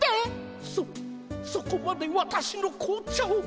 そそこまでわたしの紅茶を。